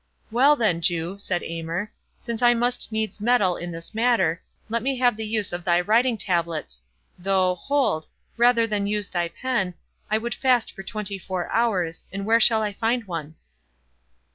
"Well then, Jew," said Aymer, "since I must needs meddle in this matter, let me have the use of thy writing tablets—though, hold—rather than use thy pen, I would fast for twenty four hours, and where shall I find one?"